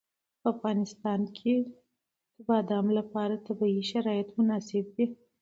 په افغانستان کې د بادام لپاره طبیعي شرایط مناسب دي.